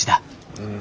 うん。